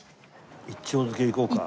一丁漬いこうか。